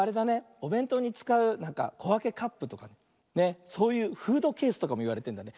おべんとうにつかうこわけカップとかそういうフードケースとかもいわれてるんだね。